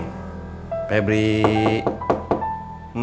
masa marah marah begitu neng